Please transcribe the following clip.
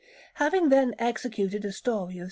Having then executed a story of S.